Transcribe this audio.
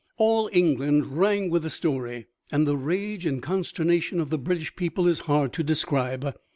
All England rang with the story, and the rage and consternation of the British people is hard to describe.